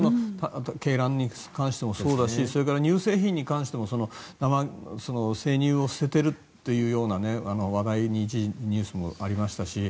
鶏卵に関してもそうだしそれから乳製品に関しても生乳を捨ててるというような話題、ニュースが一時ありましたし